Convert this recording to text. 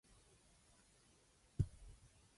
自然の氾濫地の環境は、自然的撹乱によるものだ